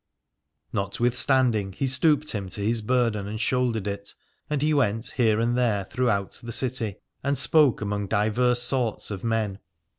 Notwithstanding he stooped him to his burden and shouldered it : and he went here and there throughout the city and spoke among divers sorts of men.